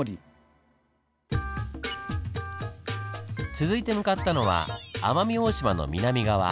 続いて向かったのは奄美大島の南側。